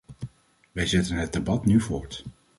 Wij zetten het debat nu voort.